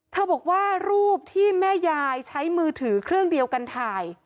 บอกว่ารูปที่แม่ยายใช้มือถือเครื่องเดียวกันถ่าย